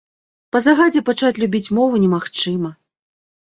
Па загадзе пачаць любіць мову немагчыма.